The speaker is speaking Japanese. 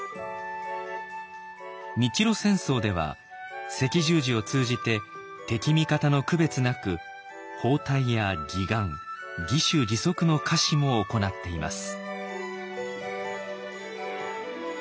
日露戦争では赤十字を通じて敵味方の区別なく包帯や義眼義手・義足の下賜も行っています。